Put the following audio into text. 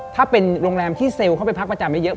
ถ้าเป็นโรงแรมที่เซลล์เข้าไปพักประจำเยอะ